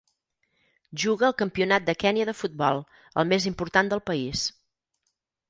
Juga al Campionat de Kenya de Futbol, el més important del país.